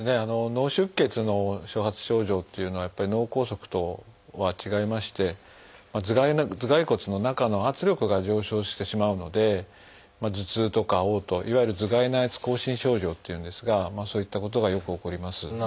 脳出血の初発症状というのは脳梗塞とは違いまして頭蓋骨の中の圧力が上昇してしまうので頭痛とかおう吐いわゆる「頭蓋内圧亢進症状」というんですがそういったことがよく起こります。